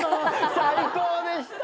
最高でした！